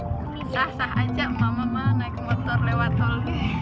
aduh sah sah aja emak emak naik motor lewat tol